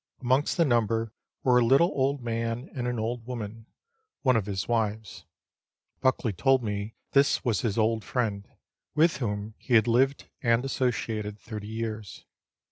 Amongst the number were a little old man, and an old woman, one of his wives. Buckley told me this was his old friend, with whom he had lived and associated 30 years.